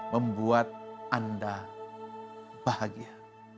membuat anda bahagia